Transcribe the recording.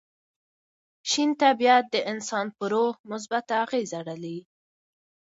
شین طبیعت د انسان پر روح مثبت اغېزه لري.